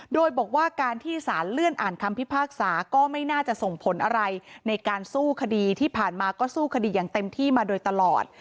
โดยบอกว่าการที่สารเลื่อนอ่านคำพิพากษาก็ไม่น่าจะส่งผลอะไรในการสู้คดีที่ผ่านมาก็สู้คดีอย่างเต็มที่มาโดยตลอด